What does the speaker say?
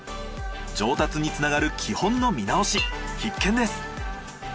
上達につながる基本の見直し必見です。